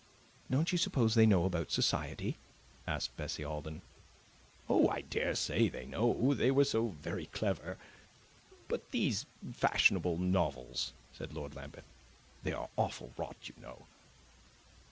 "Don't you suppose they know about society?" asked Bessie Alden. "Oh, I daresay they know; they were so very clever. But these fashionable novels," said Lord Lambeth, "they are awful rot, you know."